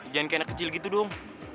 jangan kayak anak kecil gitu dong